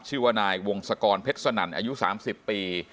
ชื่อว่านายวงศกรเพชรสนั่นอายุ๓๐ปี